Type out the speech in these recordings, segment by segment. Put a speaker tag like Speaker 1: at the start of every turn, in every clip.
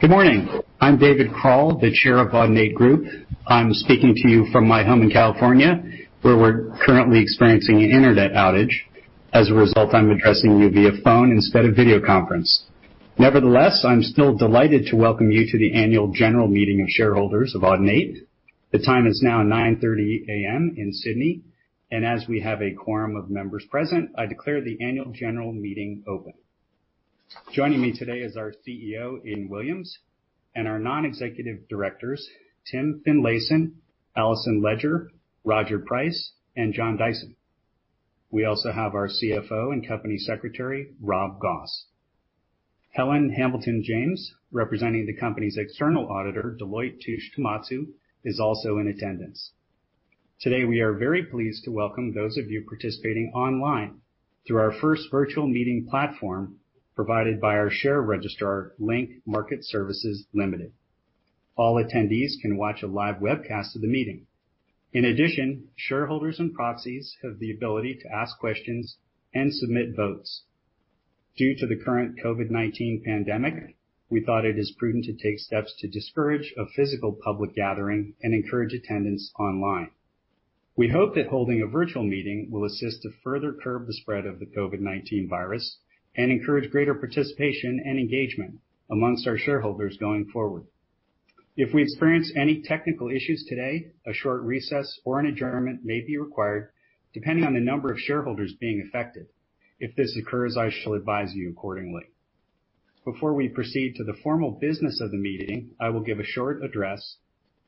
Speaker 1: Good morning. I'm David Krall, the Chair of Audinate Group. I'm speaking to you from my home in California, where we're currently experiencing an internet outage. As a result, I'm addressing you via phone instead of video conference. Nevertheless, I'm still delighted to welcome you to the Annual General Meeting of shareholders of Audinate. The time is now 9:30 A.M. in Sydney, and as we have a quorum of members present, I declare the Annual General Meeting open. Joining me today is our CEO, Aidan Williams, and our non-executive directors, Tim Finlayson, Alison Ledger, Roger Price, and John Dyson. We also have our CFO and Company Secretary, Rob Goss. Helen Hamilton-James, representing the company's external auditor, Deloitte Touche Tohmatsu, is also in attendance. Today, we are very pleased to welcome those of you participating online through our first virtual meeting platform, provided by our share registrar, Link Market Services Limited. All attendees can watch a live webcast of the meeting. In addition, shareholders and proxies have the ability to ask questions and submit votes. Due to the current COVID-19 pandemic, we thought it is prudent to take steps to discourage a physical public gathering and encourage attendance online. We hope that holding a virtual meeting will assist to further curb the spread of the COVID-19 virus and encourage greater participation and engagement amongst our shareholders going forward. If we experience any technical issues today, a short recess or an adjournment may be required, depending on the number of shareholders being affected. If this occurs, I shall advise you accordingly. Before we proceed to the formal business of the meeting, I will give a short address,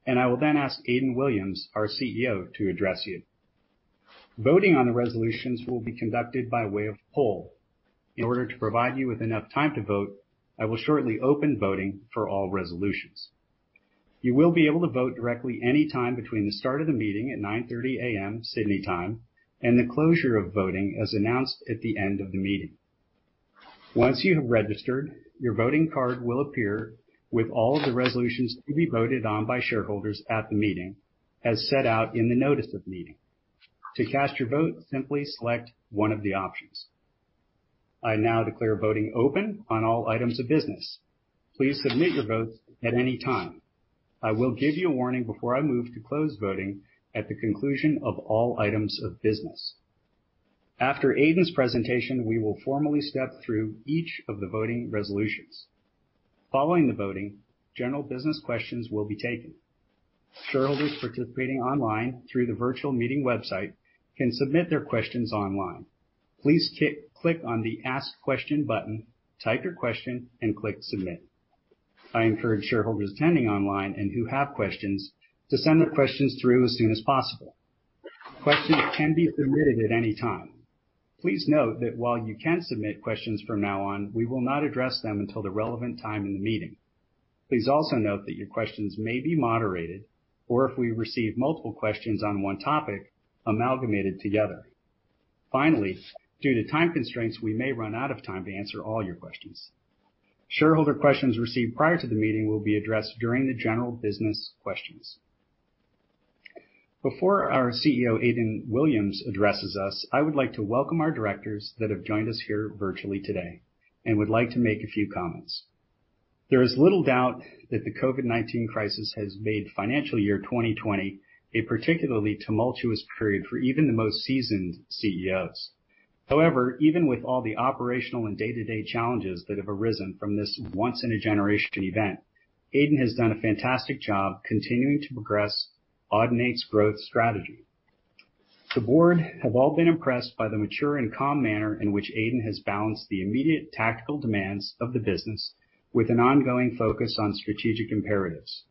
Speaker 1: and I will then ask Aidan Williams, our CEO, to address you. Voting on the resolutions will be conducted by way of poll. In order to provide you with enough time to vote, I will shortly open voting for all resolutions. You will be able to vote directly any time between the start of the meeting at 9:30 A.M. Sydney time and the closure of voting, as announced at the end of the meeting. Once you have registered, your voting card will appear with all of the resolutions to be voted on by shareholders at the meeting, as set out in the notice of meeting. To cast your vote, simply select one of the options. I now declare voting open on all items of business. Please submit your votes at any time. I will give you a warning before I move to close voting at the conclusion of all items of business. After Aidan's presentation, we will formally step through each of the voting resolutions. Following the voting, general business questions will be taken. Shareholders participating online through the virtual meeting website can submit their questions online. Please click on the Ask Question button, type your question, and click Submit. I encourage shareholders attending online and who have questions to send the questions through as soon as possible. Questions can be submitted at any time. Please note that while you can submit questions from now on, we will not address them until the relevant time in the meeting. Please also note that your questions may be moderated, or if we receive multiple questions on one topic, amalgamated together. Due to time constraints, we may run out of time to answer all your questions. Shareholder questions received prior to the meeting will be addressed during the general business questions. Before our CEO, Aidan Williams, addresses us, I would like to welcome our directors that have joined us here virtually today and would like to make a few comments. There is little doubt that the COVID-19 crisis has made financial year 2020 a particularly tumultuous period for even the most seasoned CEOs. Even with all the operational and day-to-day challenges that have arisen from this once-in-a-generation event, Aidan has done a fantastic job continuing to progress Audinate's growth strategy. The board have all been impressed by the mature and calm manner in which Aidan has balanced the immediate tactical demands of the business with an ongoing focus on strategic imperatives.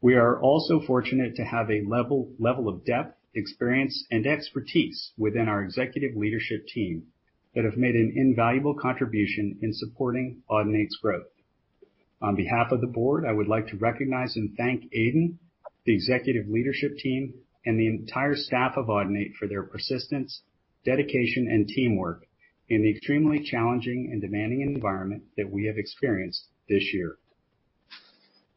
Speaker 1: We are also fortunate to have a level of depth, experience, and expertise within our executive leadership team that have made an invaluable contribution in supporting Audinate's growth. On behalf of the board, I would like to recognize and thank Aidan, the executive leadership team, and the entire staff of Audinate for their persistence, dedication, and teamwork in the extremely challenging and demanding environment that we have experienced this year.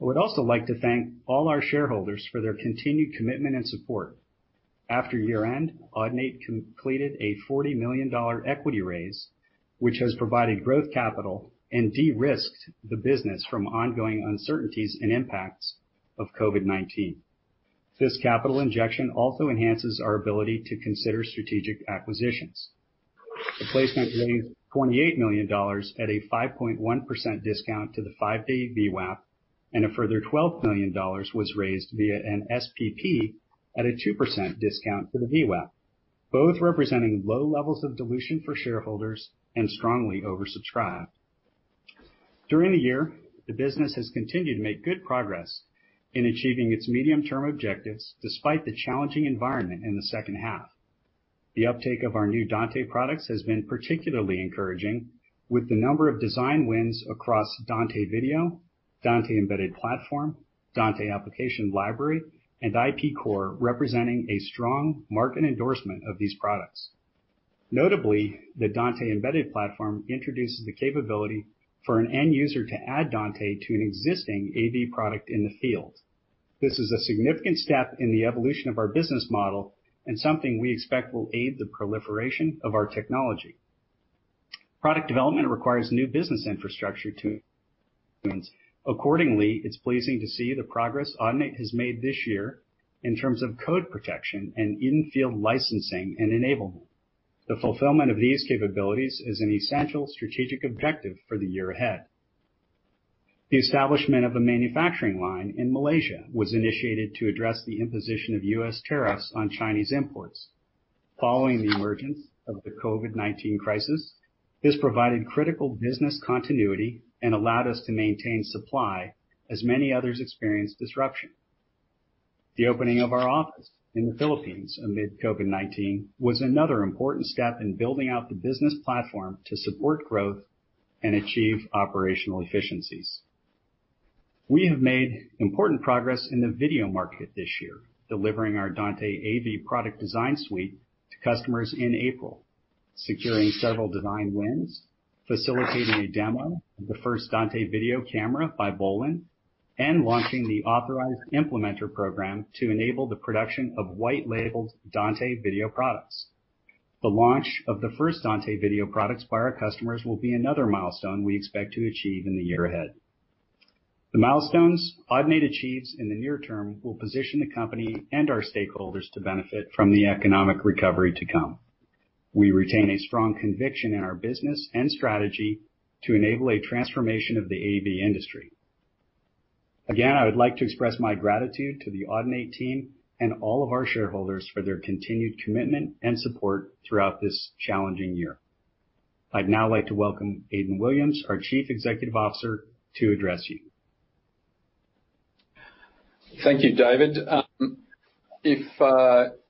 Speaker 1: I would also like to thank all our shareholders for their continued commitment and support. After year-end, Audinate completed an 40 million dollar equity raise, which has provided growth capital and de-risked the business from ongoing uncertainties and impacts of COVID-19. This capital injection also enhances our ability to consider strategic acquisitions. The placement raised 28 million dollars at a 5.1% discount to the five-day VWAP, and a further 12 million dollars was raised via an SPP at a 2% discount to the VWAP, both representing low levels of dilution for shareholders and strongly oversubscribed. During the year, the business has continued to make good progress in achieving its medium-term objectives, despite the challenging environment in the second half. The uptake of our new Dante products has been particularly encouraging, with the number of design wins across Dante Video, Dante Embedded Platform, Dante Application Library, and Dante IP Core representing a strong market endorsement of these products. Notably, the Dante Embedded Platform introduces the capability for an end user to add Dante to an existing AV product in the field. This is a significant step in the evolution of our business model, and something we expect will aid the proliferation of our technology. Product development requires new business infrastructure to accordingly, it's pleasing to see the progress Audinate has made this year in terms of code protection and in-field licensing and enablement. The fulfillment of these capabilities is an essential strategic objective for the year ahead. The establishment of a manufacturing line in Malaysia was initiated to address the imposition of U.S. tariffs on Chinese imports. Following the emergence of the COVID-19 crisis, this provided critical business continuity and allowed us to maintain supply as many others experienced disruption. The opening of our office in the Philippines amid COVID-19 was another important step in building out the business platform to support growth and achieve operational efficiencies. We have made important progress in the video market this year, delivering our Dante AV product design suite to customers in April. Securing several design wins, facilitating a demo of the first Dante Video camera by Bolin, and launching the authorized implementer program to enable the production of white labeled Dante Video products. The launch of the first Dante Video products by our customers will be another milestone we expect to achieve in the year ahead. The milestones Audinate achieves in the near term will position the company and our stakeholders to benefit from the economic recovery to come. We retain a strong conviction in our business and strategy to enable a transformation of the AV industry. Again, I would like to express my gratitude to the Audinate team and all of our shareholders for their continued commitment and support throughout this challenging year. I'd now like to welcome Aidan Williams, our Chief Executive Officer, to address you.
Speaker 2: Thank you, David.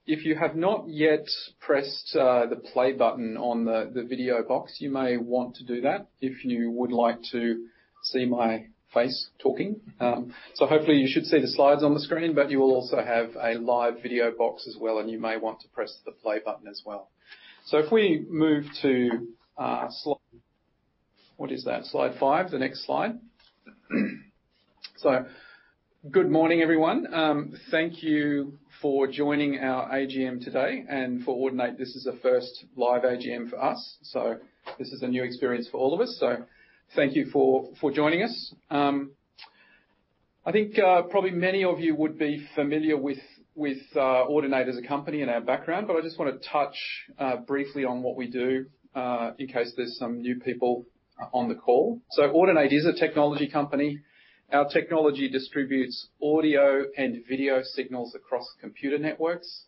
Speaker 2: If you have not yet pressed the play button on the video box, you may want to do that if you would like to see my face talking. Hopefully you should see the slides on the screen, but you will also have a live video box as well, and you may want to press the play button as well. If we move to slide five. The next slide. Good morning, everyone. Thank you for joining our AGM today, and for Audinate, this is the first live AGM for us. This is a new experience for all of us. Thank you for joining us. I think, probably many of you would be familiar with Audinate as a company and our background, but I just want to touch briefly on what we do, in case there's some new people on the call. Audinate is a technology company. Our technology distributes audio and video signals across computer networks.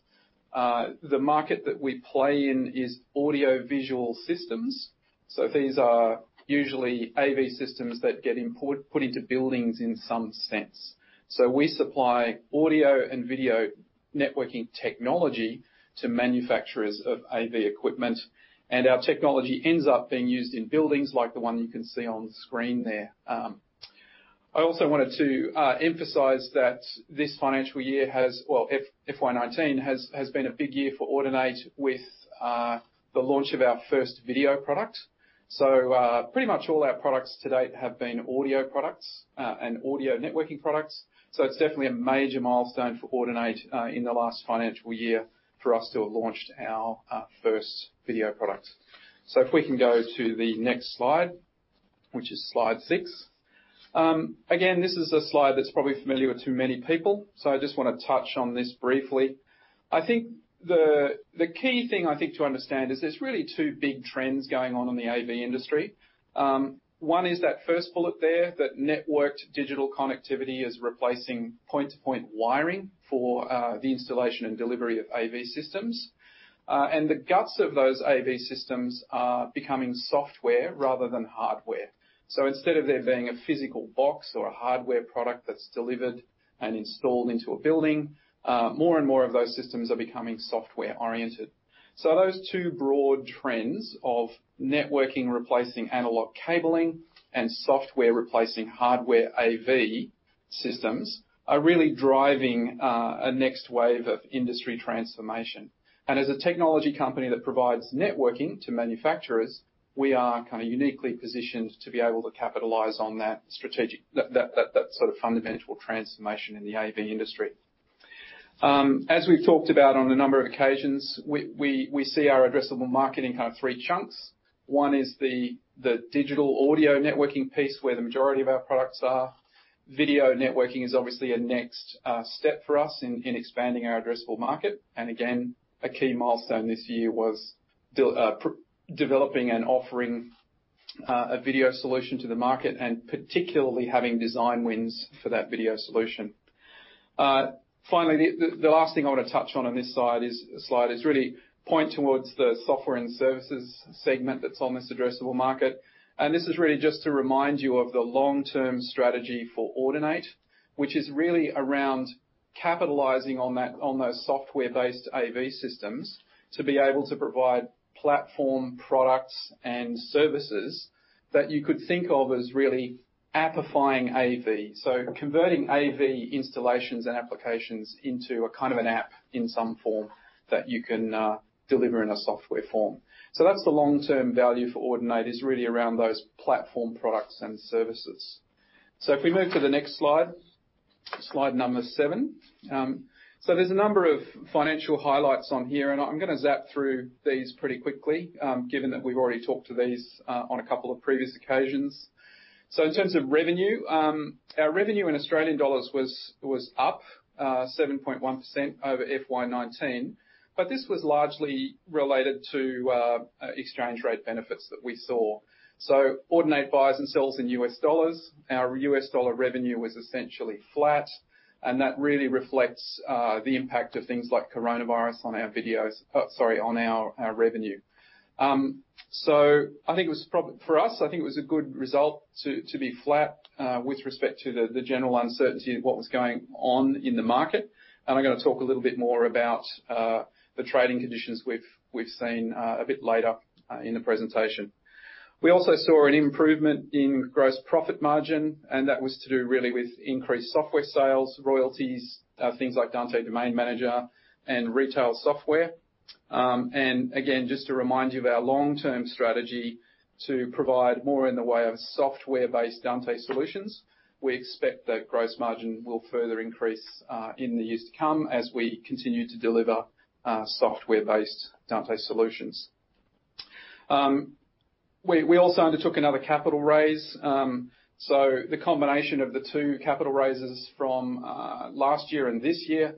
Speaker 2: The market that we play in is audio-visual systems. These are usually AV systems that get put into buildings in some sense. We supply audio and video networking technology to manufacturers of AV equipment, and our technology ends up being used in buildings like the one you can see on screen there. I also wanted to emphasize that FY 2020 has been a big year for Audinate with the launch of our first video product. Pretty much all our products to date have been audio products and audio networking products. It's definitely a major milestone for Audinate, in the last financial year for us to have launched our first video product. If we can go to the next slide, which is slide six. Again, this is a slide that's probably familiar to many people. I just want to touch on this briefly. The key thing I think to understand is there's really two big trends going on in the AV industry. One is that first bullet there, that networked digital connectivity is replacing point-to-point wiring for the installation and delivery of AV systems. The guts of those AV systems are becoming software rather than hardware. Instead of there being a physical box or a hardware product that's delivered and installed into a building, more and more of those systems are becoming software-oriented. Those two broad trends of networking replacing analog cabling and software replacing hardware AV systems are really driving a next wave of industry transformation. As a technology company that provides networking to manufacturers, we are kind of uniquely positioned to be able to capitalize on that sort of fundamental transformation in the AV industry. As we've talked about on a number of occasions, we see our addressable market in kind of three chunks. One is the digital audio networking piece, where the majority of our products are. Video networking is obviously a next step for us in expanding our addressable market. Again, a key milestone this year was developing and offering a video solution to the market, and particularly having design wins for that video solution. The last thing I want to touch on this slide is really point towards the software and services segment that's on this addressable market. This is really just to remind you of the long-term strategy for Audinate, which is really around capitalizing on those software-based AV systems to be able to provide platform products and services that you could think of as really app-ifying AV. Converting AV installations and applications into a kind of an app in some form that you can deliver in a software form. That's the long-term value for Audinate, is really around those platform products and services. If we move to the next slide. Slide number seven. There's a number of financial highlights on here, and I'm going to zap through these pretty quickly, given that we've already talked to these on a couple of previous occasions. In terms of revenue, our revenue in Australian dollars was up 7.1% over FY 2019, but this was largely related to exchange rate benefits that we saw. Audinate buys and sells in US dollars. Our US dollar revenue was essentially flat, and that really reflects the impact of things like coronavirus on our revenue. For us, I think it was a good result to be flat with respect to the general uncertainty of what was going on in the market. I'm going to talk a little bit more about the trading conditions we've seen a bit later in the presentation. We also saw an improvement in gross profit margin, and that was to do really with increased software sales, royalties, things like Dante Domain Manager and retail software. Again, just to remind you of our long-term strategy to provide more in the way of software-based Dante solutions. We expect that gross margin will further increase in the years to come as we continue to deliver software-based Dante solutions. We also undertook another capital raise. The combination of the two capital raises from last year and this year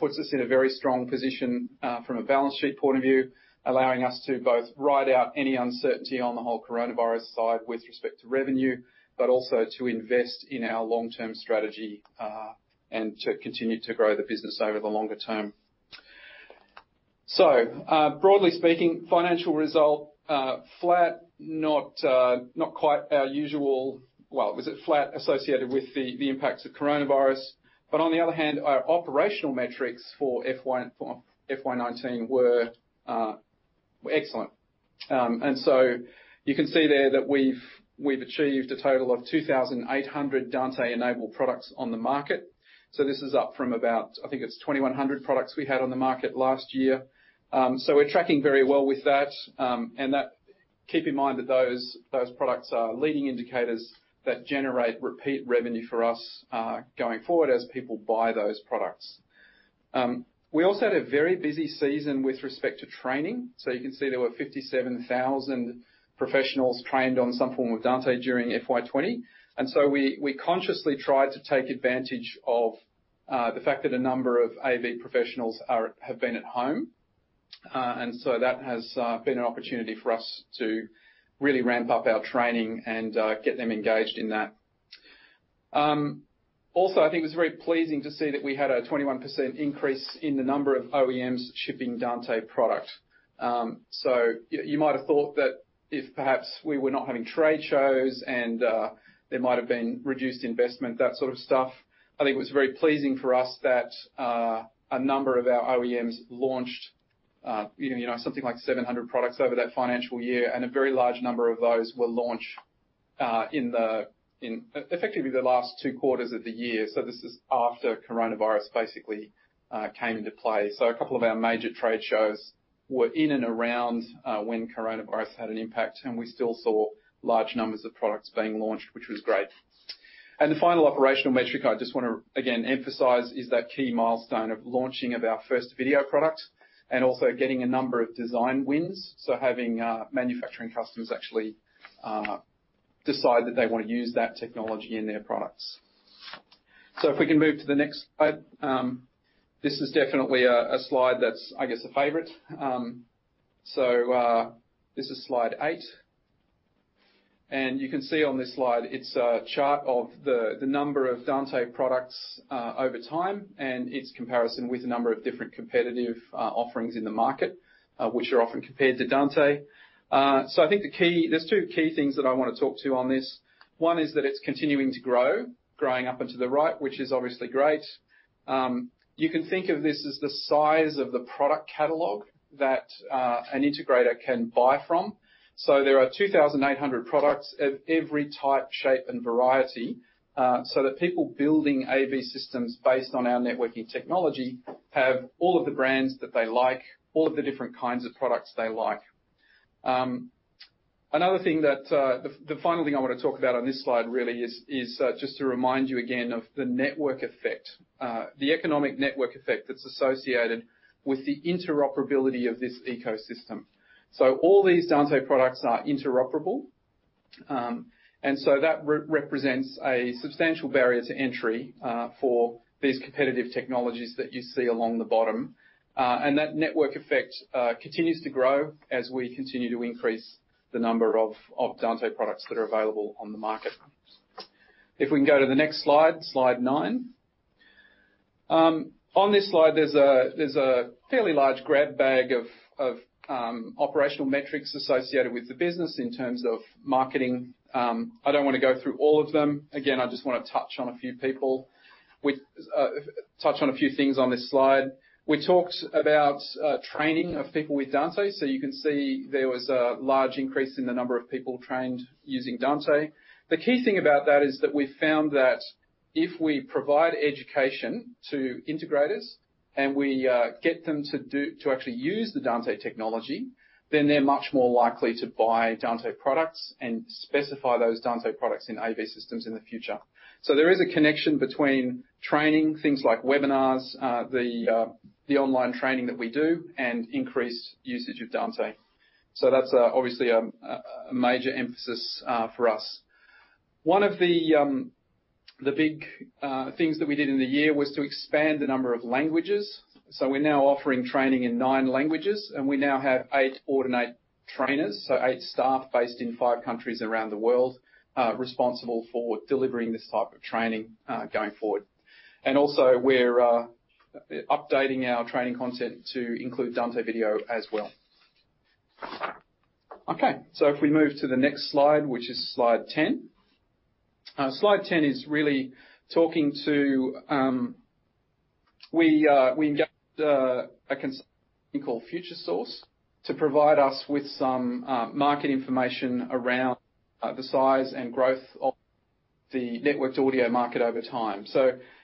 Speaker 2: puts us in a very strong position from a balance sheet point of view, allowing us to both ride out any uncertainty on the whole coronavirus side with respect to revenue, but also to invest in our long-term strategy, and to continue to grow the business over the longer term. Broadly speaking, financial result, Well, it was at flat associated with the impacts of coronavirus. On the other hand, our operational metrics for FY 2019 were excellent. You can see there that we've achieved a total of 2,800 Dante-enabled products on the market. This is up from about, I think it's 2,100 products we had on the market last year. We're tracking very well with that. Keep in mind that those products are leading indicators that generate repeat revenue for us going forward as people buy those products. We also had a very busy season with respect to training. You can see there were 57,000 professionals trained on some form of Dante during FY 2020. We consciously tried to take advantage of the fact that a number of AV professionals have been at home. That has been an opportunity for us to really ramp up our training and get them engaged in that. Also, I think it was very pleasing to see that we had a 21% increase in the number of OEMs shipping Dante product. You might have thought that if perhaps we were not having trade shows and there might have been reduced investment, that sort of stuff, I think it was very pleasing for us that a number of our OEMs launched something like 700 products over that financial year, and a very large number of those were launched in effectively the last two quarters of the year. This is after coronavirus basically came into play. A couple of our major trade shows were in and around when coronavirus had an impact, and we still saw large numbers of products being launched, which was great. The final operational metric I just want to, again, emphasize is that key milestone of launching of our first video product and also getting a number of design wins. Having manufacturing customers actually decide that they want to use that technology in their products. If we can move to the next slide. This is definitely a slide that's, I guess, a favorite. This is slide eight, and you can see on this slide it's a chart of the number of Dante products over time and its comparison with a number of different competitive offerings in the market, which are often compared to Dante. There's two key things that I want to talk to on this. One is that it's continuing to grow, growing up and to the right, which is obviously great. You can think of this as the size of the product catalog that an integrator can buy from. There are 2,800 products of every type, shape, and variety, so that people building AV systems based on our networking technology have all of the brands that they like, all of the different kinds of products they like. The final thing I want to talk about on this slide really is just to remind you again of the network effect, the economic network effect that's associated with the interoperability of this ecosystem. All these Dante products are interoperable, and so that represents a substantial barrier to entry for these competitive technologies that you see along the bottom. That network effect continues to grow as we continue to increase the number of Dante products that are available on the market. If we can go to the next slide nine. On this slide, there's a fairly large grab bag of operational metrics associated with the business in terms of marketing. I don't want to go through all of them. I just want to touch on a few things on this slide. We talked about training of people with Dante. You can see there was a large increase in the number of people trained using Dante. The key thing about that is that we found that if we provide education to integrators and we get them to actually use the Dante technology, then they're much more likely to buy Dante products and specify those Dante products in AV systems in the future. There is a connection between training, things like webinars, the online training that we do and increase usage of Dante. That's obviously a major emphasis for us. One of the big things that we did in the year was to expand the number of languages. We're now offering training in nine languages, and we now have eight Audinate trainers. Eight staff based in five countries around the world, responsible for delivering this type of training going forward. Also, we're updating our training content to include Dante Video as well. Okay. If we move to the next slide, which is slide 10. Slide 10 is really talking to, we engaged a consulting called Futuresource to provide us with some market information around the size and growth of the networked audio market over time.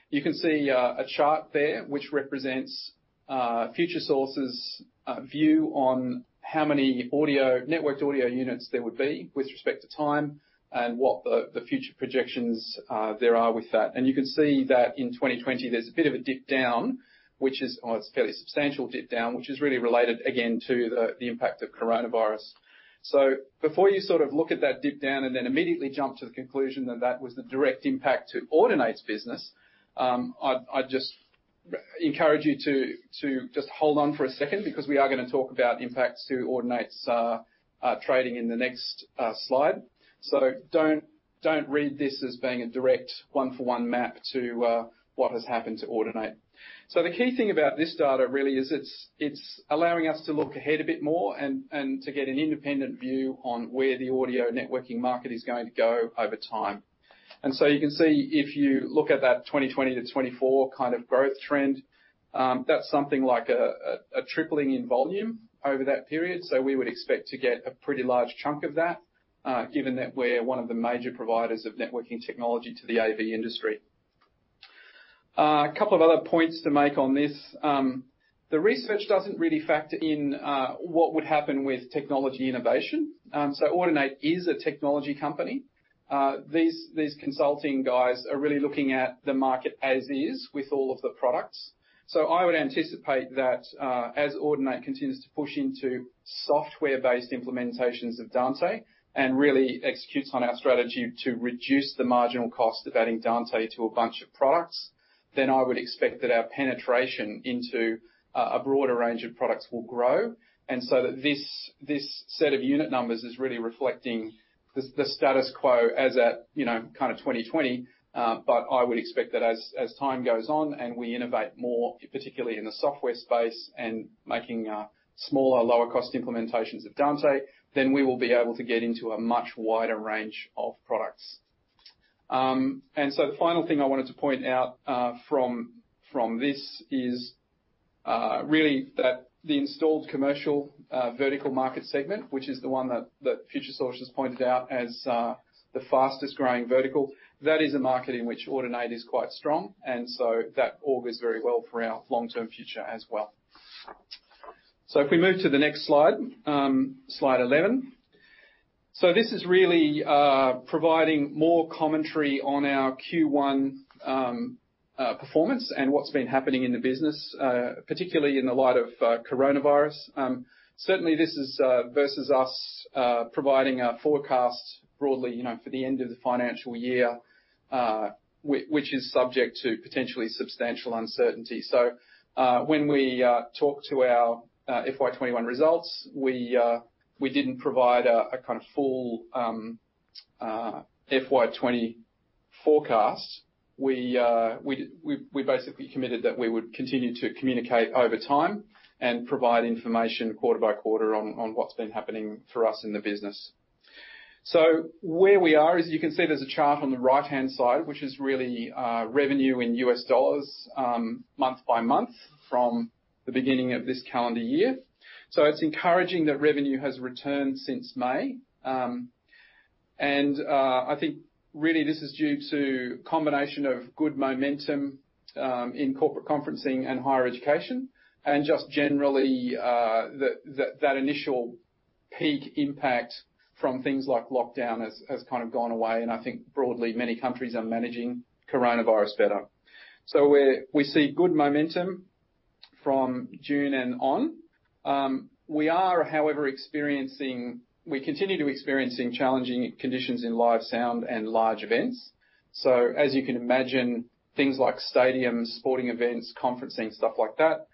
Speaker 2: You can see a chart there which represents Futuresource's view on how many networked audio units there would be with respect to time and what the future projections there are with that. You can see that in 2020, there's a bit of a dip down, well, it's a fairly substantial dip down, which is really related again, to the impact of coronavirus. Before you look at that dip down and then immediately jump to the conclusion that that was the direct impact to Audinate's business, I'd just encourage you to just hold on for a second, because we are going to talk about impacts to Audinate's trading in the next slide. Don't read this as being a direct one-for-one map to what has happened to Audinate. The key thing about this data really is it's allowing us to look ahead a bit more and to get an independent view on where the audio networking market is going to go over time. You can see if you look at that 2020 to 2024 growth trend, that's something like a tripling in volume over that period. We would expect to get a pretty large chunk of that, given that we're one of the major providers of networking technology to the AV industry. A couple of other points to make on this. The research doesn't really factor in what would happen with technology innovation. Audinate is a technology company. These consulting guys are really looking at the market as is with all of the products. I would anticipate that, as Audinate continues to push into software-based implementations of Dante and really executes on our strategy to reduce the marginal cost of adding Dante to a bunch of products, then I would expect that our penetration into a broader range of products will grow. That this set of unit numbers is really reflecting the status quo as at 2020. I would expect that as time goes on and we innovate more, particularly in the software space and making smaller, lower cost implementations of Dante, then we will be able to get into a much wider range of products. The final thing I wanted to point out from this is really that the installed commercial vertical market segment, which is the one that Futuresource has pointed out as the fastest growing vertical, that is a market in which Audinate is quite strong. That augurs very well for our long-term future as well. If we move to the next slide 11. This is really providing more commentary on our Q1 performance and what's been happening in the business, particularly in the light of coronavirus. Certainly, this is versus us providing our forecasts broadly for the end of the financial year, which is subject to potentially substantial uncertainty. When we talk to our FY 2021 results, we didn't provide a full FY 2020 forecast. We basically committed that we would continue to communicate over time and provide information quarter-by-quarter on what's been happening for us in the business. Where we are, as you can see, there's a chart on the right-hand side, which is really revenue in U.S. dollars, month by month from the beginning of this calendar year. I think really this is due to a combination of good momentum in corporate conferencing and higher education, and just generally, that initial peak impact from things like lockdown has gone away. I think broadly, many countries are managing coronavirus better. We see good momentum from June and on. We are, however, experiencing challenging conditions in live sound and large events. As you can imagine, things like stadiums, sporting events, conferencing, stuff like that,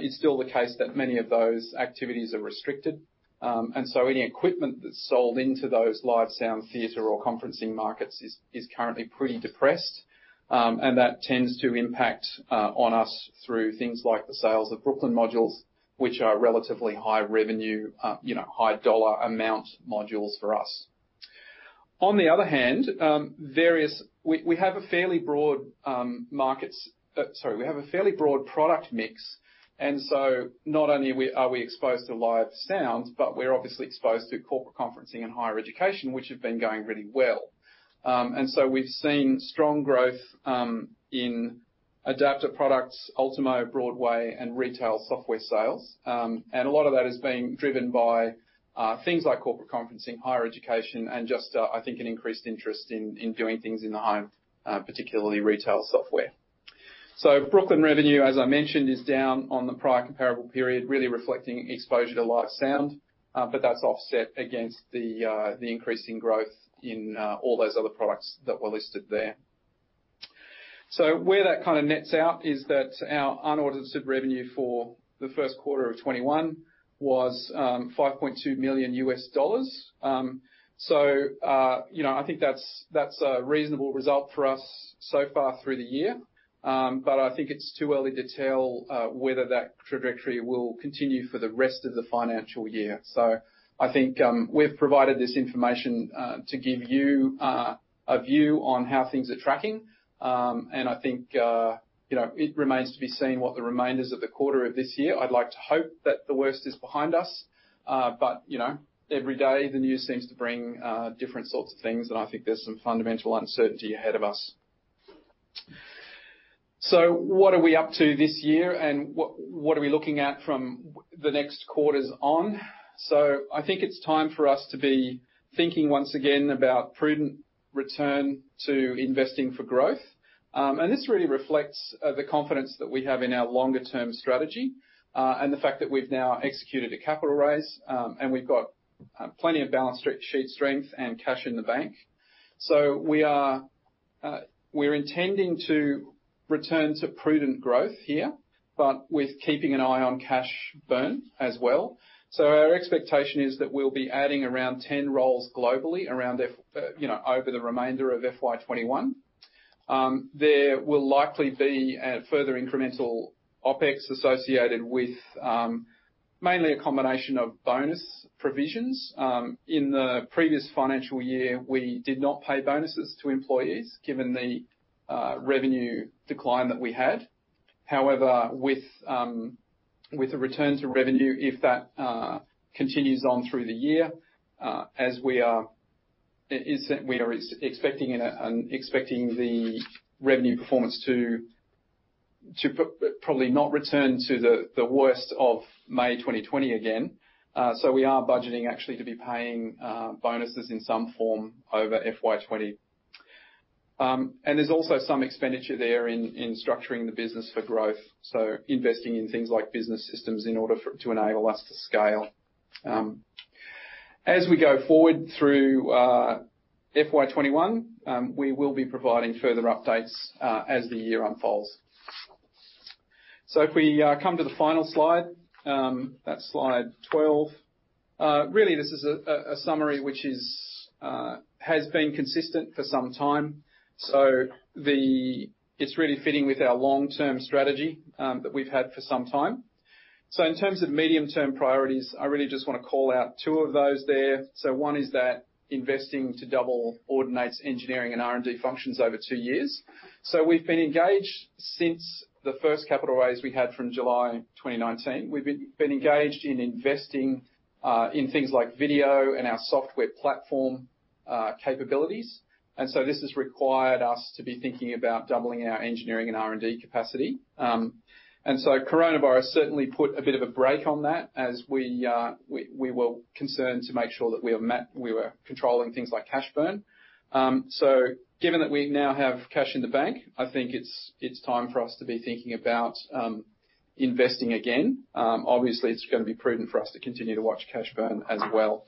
Speaker 2: it's still the case that many of those activities are restricted. Any equipment that's sold into those live sound theater or conferencing markets is currently pretty depressed. That tends to impact on us through things like the sales of Brooklyn modules, which are relatively high revenue, high dollar amount modules for us. On the other hand, we have a fairly broad product mix. Not only are we exposed to live sounds, but we're obviously exposed to corporate conferencing and higher education, which have been going really well. We've seen strong growth in adapter products, Ultimo, Broadway, and retail software sales. A lot of that is being driven by things like corporate conferencing, higher education, and just, I think, an increased interest in doing things in the home, particularly retail software. Brooklyn revenue, as I mentioned, is down on the prior comparable period, really reflecting exposure to live sound. That's offset against the increase in growth in all those other products that were listed there. Where that kind of nets out is that our unaudited revenue for the first quarter of FY 2021 was $5.2 million. I think that's a reasonable result for us so far through the year. I think it's too early to tell whether that trajectory will continue for the rest of the financial year. I think we've provided this information, to give you a view on how things are tracking. I think it remains to be seen what the remainders of the quarter of this year. I'd like to hope that the worst is behind us. Every day the news seems to bring different sorts of things and I think there's some fundamental uncertainty ahead of us. What are we up to this year and what are we looking at from the next quarters on? I think it's time for us to be thinking once again about prudent return to investing for growth. This really reflects the confidence that we have in our longer term strategy, and the fact that we've now executed a capital raise, and we've got plenty of balance sheet strength and cash in the bank. We're intending to return to prudent growth here, but with keeping an eye on cash burn as well. Our expectation is that we'll be adding around 10 roles globally over the remainder of FY 2021. There will likely be a further incremental OpEx associated with mainly a combination of bonus provisions. In the previous financial year, we did not pay bonuses to employees given the revenue decline that we had. However, with the return to revenue, if that continues on through the year, as we are expecting the revenue performance to probably not return to the worst of May 2020 again. We are budgeting actually to be paying bonuses in some form over FY 2020. There's also some expenditure there in structuring the business for growth, so investing in things like business systems in order to enable us to scale. As we go forward through FY 2021, we will be providing further updates as the year unfolds. If we come to the final slide, that's slide 12. Really this is a summary which has been consistent for some time. It's really fitting with our long-term strategy that we've had for some time. In terms of medium term priorities, I really just want to call out two of those there. One is that investing to double Audinate's engineering and R&D functions over two years. We've been engaged since the first capital raise we had from July 2019. We've been engaged in investing in things like video and our software platform capabilities. This has required us to be thinking about doubling our engineering and R&D capacity. COVID-19 certainly put a bit of a brake on that as we were concerned to make sure that we were controlling things like cash burn. Given that we now have cash in the bank, I think it's time for us to be thinking about investing again. Obviously, it's going to be prudent for us to continue to watch cash burn as well.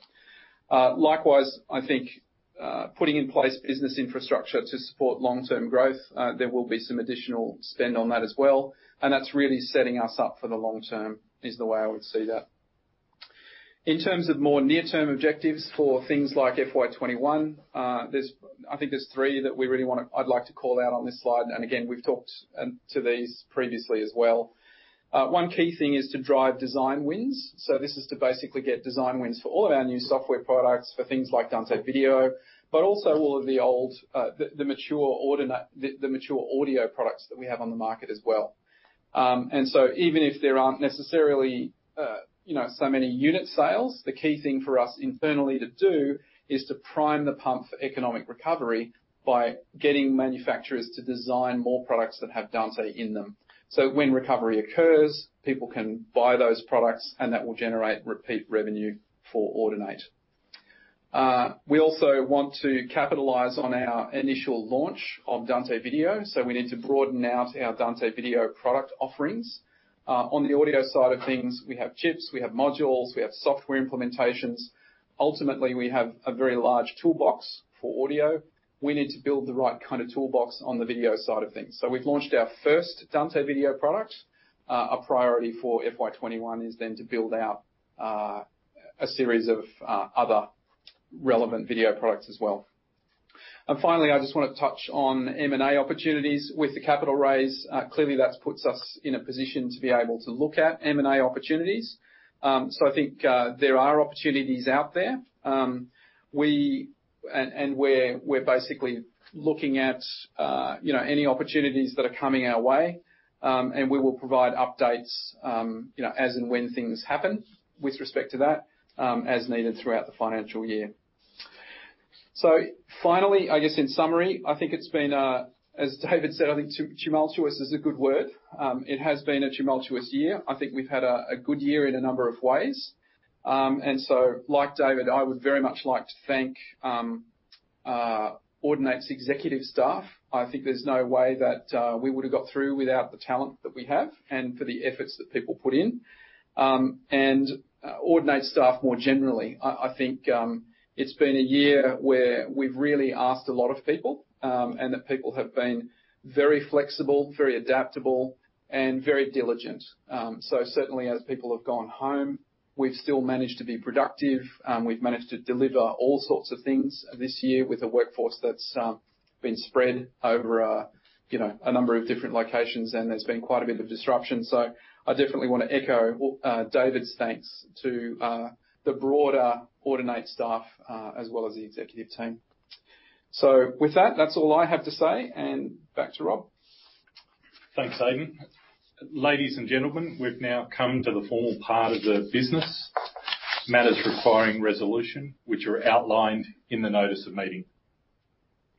Speaker 2: Likewise, I think putting in place business infrastructure to support long-term growth, there will be some additional spend on that as well, and that's really setting us up for the long term, is the way I would see that. In terms of more near-term objectives for things like FY 2021, I think there's three that I'd like to call out on this slide. Again, we've talked to these previously as well. One key thing is to drive design wins. This is to basically get design wins for all of our new software products, for things like Dante Video, but also all of the mature audio products that we have on the market as well. Even if there aren't necessarily so many unit sales, the key thing for us internally to do is to prime the pump for economic recovery by getting manufacturers to design more products that have Dante in them. When recovery occurs, people can buy those products, and that will generate repeat revenue for Audinate. We also want to capitalize on our initial launch of Dante Video, so we need to broaden out our Dante Video product offerings. On the audio side of things, we have chips, we have modules, we have software implementations. Ultimately, we have a very large toolbox for audio. We need to build the right kind of toolbox on the video side of things. We've launched our first Dante Video product. A priority for FY 2021 is then to build out a series of other relevant video products as well. Finally, I just want to touch on M&A opportunities with the capital raise. Clearly that puts us in a position to be able to look at M&A opportunities. I think there are opportunities out there, and we're basically looking at any opportunities that are coming our way. We will provide updates as and when things happen with respect to that, as needed throughout the financial year. Finally, I guess in summary, I think it's been, as David said, I think tumultuous is a good word. It has been a tumultuous year. I think we've had a good year in a number of ways. Like David, I would very much like to thank Audinate's executive staff. I think there's no way that we would've got through without the talent that we have and for the efforts that people put in. Audinate staff more generally. I think it's been a year where we've really asked a lot of people, and the people have been very flexible, very adaptable, and very diligent. Certainly as people have gone home, we've still managed to be productive. We've managed to deliver all sorts of things this year with a workforce that's been spread over a number of different locations, and there's been quite a bit of disruption. I definitely want to echo David's thanks to the broader Audinate staff, as well as the executive team. With that's all I have to say, and back to Rob.
Speaker 3: Thanks, Aidan. Ladies and gentlemen, we've now come to the formal part of the business. Matters requiring resolution, which are outlined in the notice of meeting.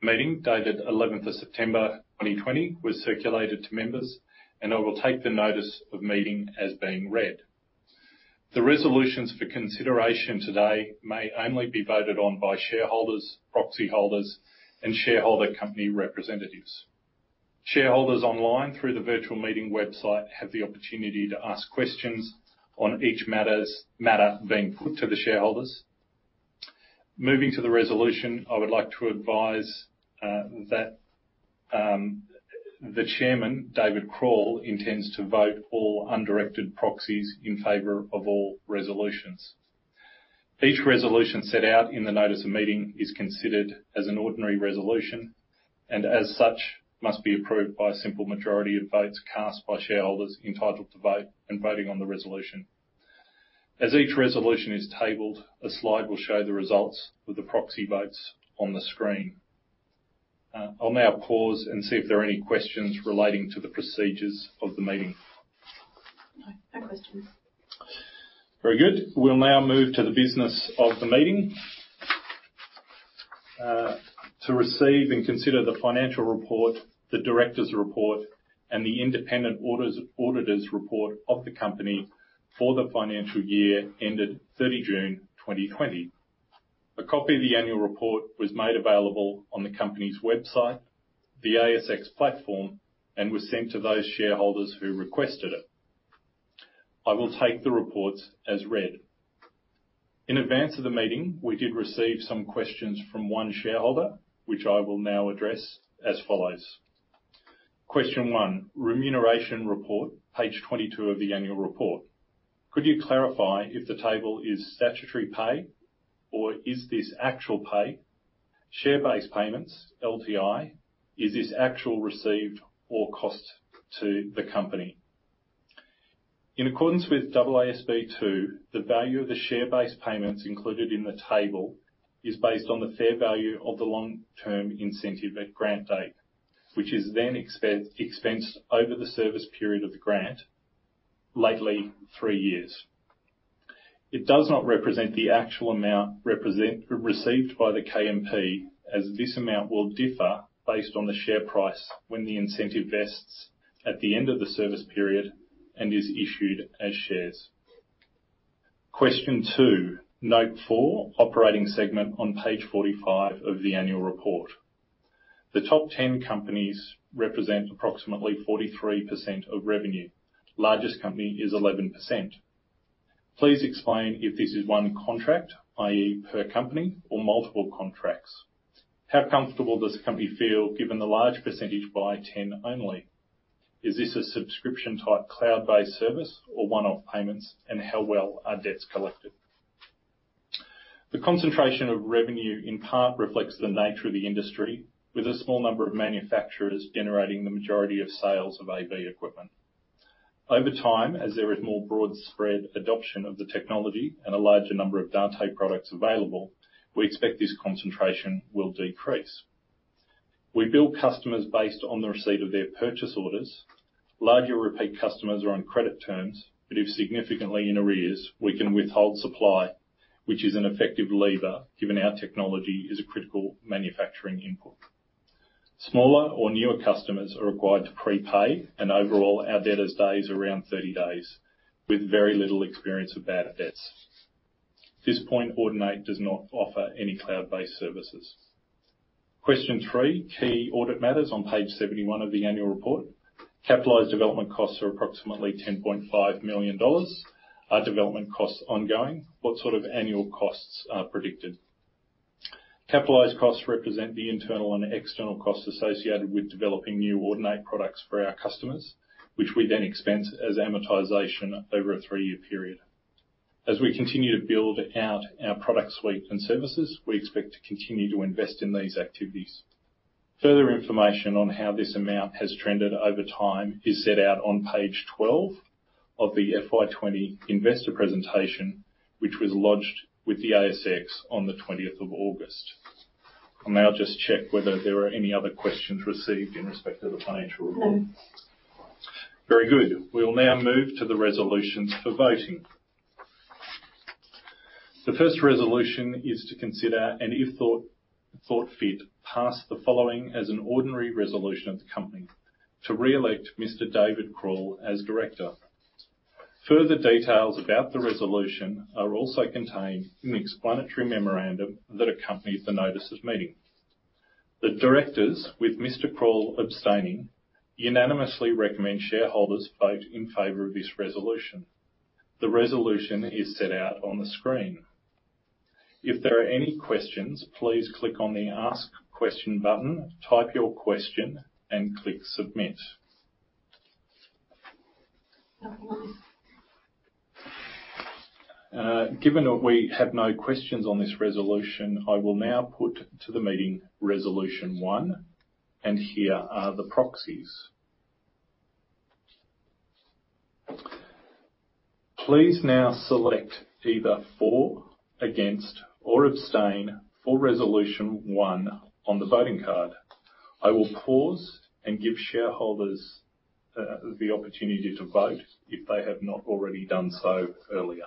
Speaker 3: Meeting dated 11th of September 2020 was circulated to members, and I will take the notice of meeting as being read. The resolutions for consideration today may only be voted on by shareholders, proxy holders, and shareholder company representatives. Shareholders online through the virtual meeting website have the opportunity to ask questions on each matter being put to the shareholders. Moving to the resolution, I would like to advise that the chairman, David Krall, intends to vote all undirected proxies in favor of all resolutions. Each resolution set out in the notice of meeting is considered as an ordinary resolution, and as such, must be approved by a simple majority of votes cast by shareholders entitled to vote and voting on the resolution. As each resolution is tabled, a slide will show the results with the proxy votes on the screen. I'll now pause and see if there are any questions relating to the procedures of the meeting.
Speaker 4: No. No questions.
Speaker 3: Very good. We'll now move to the business of the meeting. To receive and consider the financial report, the Directors' Report, and the independent Auditor's Report of the company for the financial year ended 30 June 2020. A copy of the Annual Report was made available on the company's website, the ASX platform, and was sent to those shareholders who requested it. I will take the reports as read. In advance of the meeting, we did receive some questions from one shareholder, which I will now address as follows. Question one. Remuneration Report, page 22 of the Annual Report. Could you clarify if the table is statutory pay, or is this actual pay? Share-based Payments, LTI. Is this actual received or cost to the company? In accordance with AASB 2, the value of the share-based payments included in the table is based on the fair value of the long-term incentive at grant date, which is then expensed over the service period of the grant, lately three years. It does not represent the actual amount received by the KMP, as this amount will differ based on the share price when the incentive vests at the end of the service period and is issued as shares. Question two. Note four, operating segment on page 45 of the annual report. The top 10 companies represent approximately 43% of revenue. Largest company is 11%. Please explain if this is one contract, i.e. per company or multiple contracts. How comfortable does the company feel given the large percentage by 10 only? Is this a subscription type cloud-based service or one-off payments? How well are debts collected? The concentration of revenue in part reflects the nature of the industry, with a small number of manufacturers generating the majority of sales of AV equipment. Over time, as there is more broad spread adoption of the technology and a larger number of Dante products available, we expect this concentration will decrease. We bill customers based on the receipt of their purchase orders. Larger repeat customers are on credit terms, but if significantly in arrears, we can withhold supply, which is an effective lever given our technology is a critical manufacturing input. Smaller or newer customers are required to pre-pay. Overall, our debtors days around 30 days with very little experience of bad debts. At this point, Audinate does not offer any cloud-based services. Question three. Key audit matters on page 71 of the annual report. Capitalized development costs are approximately 10.5 million dollars. Are development costs ongoing? What sort of annual costs are predicted? Capitalized costs represent the internal and external costs associated with developing new Audinate products for our customers, which we then expense as amortization over a three-year period. As we continue to build out our product suite and services, we expect to continue to invest in these activities. Further information on how this amount has trended over time is set out on page 12 of the FY 2020 investor presentation, which was lodged with the ASX on the 20th of August. I'll now just check whether there are any other questions received in respect of the financial report. Very good. We will now move to the resolutions for voting. The first resolution is to consider, and if thought fit, pass the following as an ordinary resolution of the company to reelect Mr. David Krall as director. Further details about the resolution are also contained in the explanatory memorandum that accompanied the notice of meeting. The directors, with Mr. Krall abstaining, unanimously recommend shareholders vote in favor of this resolution. The resolution is set out on the screen. If there are any questions, please click on the Ask Question button, type your question, and click Submit. Given that we have no questions on this resolution, I will now put to the meeting Resolution 1, and here are the proxies. Please now select either for, against, or abstain for Resolution 1 on the voting card. I will pause and give shareholders the opportunity to vote if they have not already done so earlier.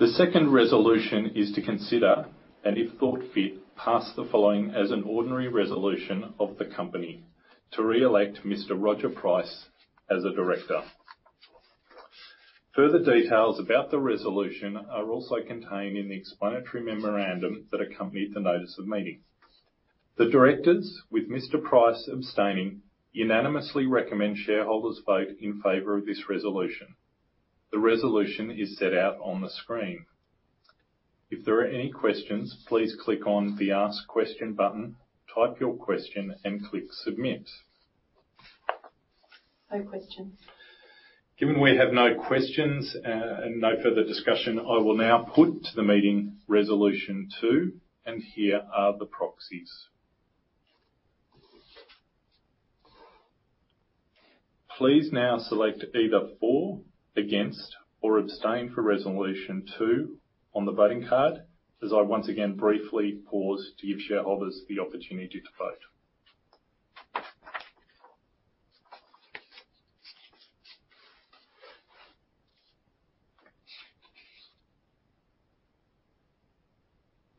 Speaker 3: The second resolution is to consider, and if thought fit, pass the following as an ordinary resolution of the company, to re-elect Mr. Roger Price as a director. Further details about the resolution are also contained in the explanatory memorandum that accompanied the notice of meeting. The directors, with Mr. Price abstaining, unanimously recommend shareholders vote in favor of this resolution. The resolution is set out on the screen. If there are any questions, please click on the Ask Question button, type your question, and click Submit.
Speaker 4: No questions.
Speaker 3: Given we have no questions and no further discussion, I will now put to the meeting Resolution 2, and here are the proxies. Please now select either for, against, or abstain for Resolution 2 on the voting card, as I once again briefly pause to give shareholders the opportunity to vote.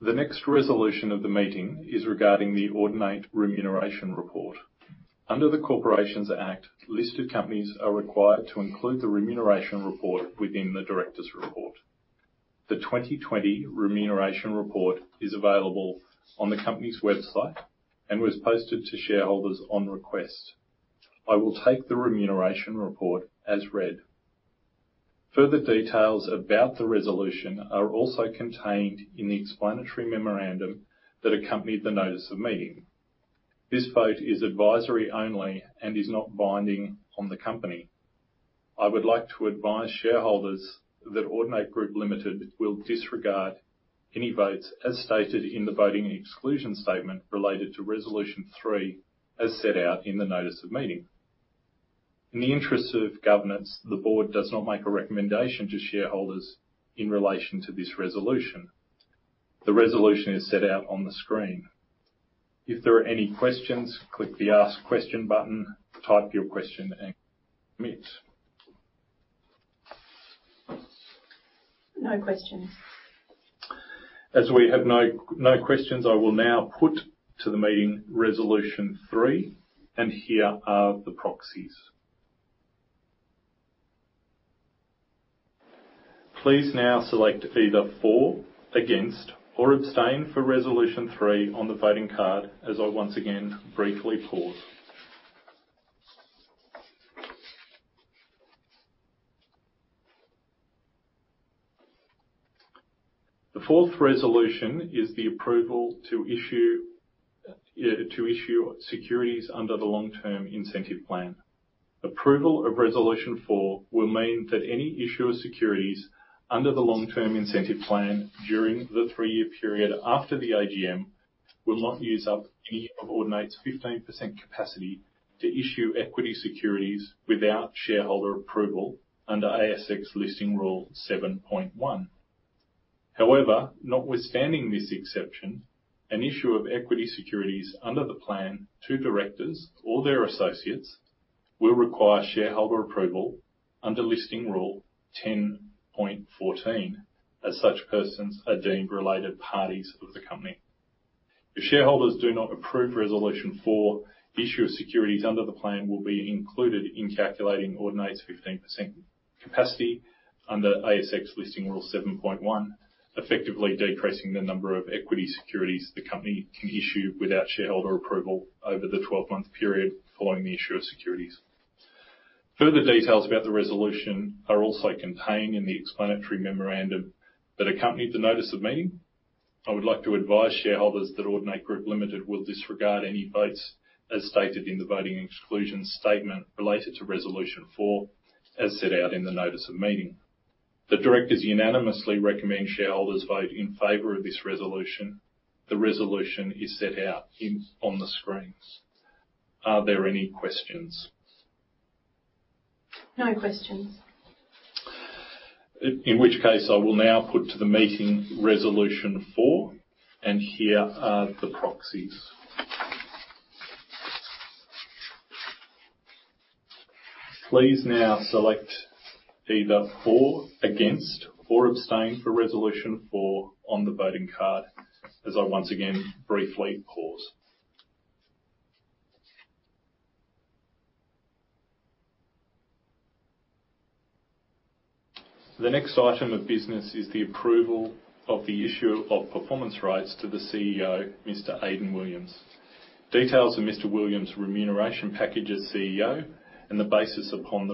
Speaker 3: The next resolution of the meeting is regarding the Audinate Remuneration Report. Under the Corporations Act, listed companies are required to include the remuneration report within the directors' report. The 2020 Remuneration Report is available on the company's website and was posted to shareholders on request. I will take the remuneration report as read. Further details about the resolution are also contained in the explanatory memorandum that accompanied the notice of meeting. This vote is advisory only and is not binding on the company. I would like to advise shareholders that Audinate Group Limited will disregard any votes, as stated in the voting exclusion statement related to Resolution 3, as set out in the notice of meeting. In the interest of governance, the board does not make a recommendation to shareholders in relation to this resolution. The resolution is set out on the screen. If there are any questions, click the Ask Question button, type your question, and submit.
Speaker 4: No questions.
Speaker 3: As we have no questions, I will now put to the meeting Resolution 3, and here are the proxies. Please now select either for, against, or abstain for Resolution 3 on the voting card as I once again briefly pause. The fourth resolution is the approval to issue securities under the long-term incentive plan. Approval of Resolution 4 will mean that any issue of securities under the long-term incentive plan during the three-year period after the AGM will not use up any of Audinate's 15% capacity to issue equity securities without shareholder approval under ASX Listing Rule 7.1. However, notwithstanding this exception, an issue of equity securities under the plan to directors or their associates will require shareholder approval under Listing Rule 10.14, as such persons are deemed related parties of the company. If shareholders do not approve Resolution 4, the issue of securities under the plan will be included in calculating Audinate's 15% capacity under ASX Listing Rule 7.1, effectively decreasing the number of equity securities the company can issue without shareholder approval over the 12-month period following the issue of securities. Further details about the resolution are also contained in the explanatory memorandum that accompanied the notice of meeting. I would like to advise shareholders that Audinate Group Limited will disregard any votes, as stated in the voting exclusion statement related to Resolution 4, as set out in the notice of meeting. The directors unanimously recommend shareholders vote in favor of this resolution. The resolution is set out on the screens. Are there any questions?
Speaker 4: No questions.
Speaker 3: In which case, I will now put to the meeting Resolution 4, and here are the proxies. Please now select either for, against, or abstain for Resolution 4 on the voting card, as I once again briefly pause. The next item of business is the approval of the issue of performance rights to the CEO, Mr. Aidan Williams. Details of Mr. Williams' remuneration package as CEO and the basis upon